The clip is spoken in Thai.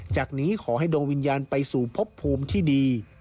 จากนี้ขอให้ดวงวิญญาณไปสู่พบภูมิที่ดี